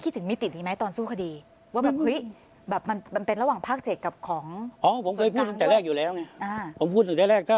จำได้ที่ผู้จิตการทำงานของกองปราบใช่ไหม